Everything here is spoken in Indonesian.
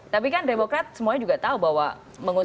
tapi kan demokrat semuanya juga tahu bahwa mengusung